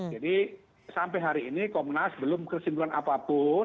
jadi sampai hari ini komnas belum kesimpulan apapun